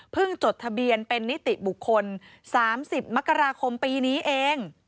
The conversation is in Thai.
จดทะเบียนเป็นนิติบุคคล๓๐มกราคมปีนี้เอง